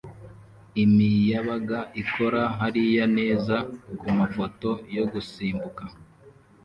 Imiyabaga ikora hariya neza kumafoto yo gusimbuka